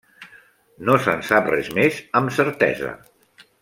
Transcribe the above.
No se'n sap res més amb certesa.